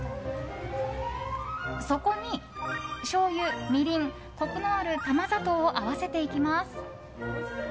そこに、しょうゆ、みりんコクのある玉砂糖を合わせていきます。